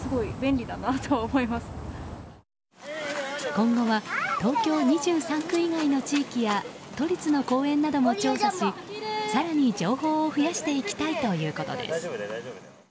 今後は東京２３区以外の地域や都立の公園なども調査し更に情報を増やしていきたいということです。